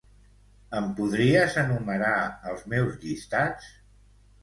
Em podries enumerar els meus llistats?